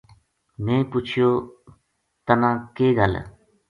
میں پُچھیو تَنا کے گل